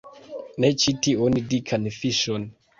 Ne, ĉi tiun dikan fiŝon